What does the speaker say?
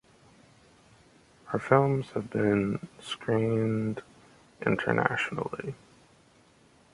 Her films have been screened internationally.